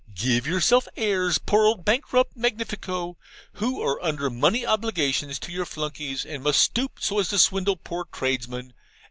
Give yourself airs, poor old bankrupt Magnifico, who are under money obligations to your flunkeys; and must stoop so as to swindle poor tradesmen!